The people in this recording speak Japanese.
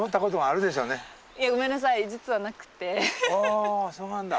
あそうなんだ。